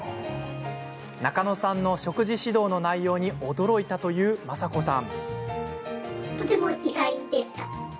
中野さんの食事指導の内容に驚いたという、まさこさん。